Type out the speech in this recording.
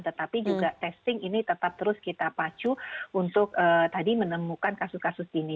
tetapi juga testing ini tetap terus kita pacu untuk tadi menemukan kasus kasus ini